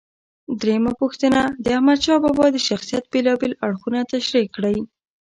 درېمه پوښتنه: د احمدشاه بابا د شخصیت بېلابېل اړخونه تشریح کړئ.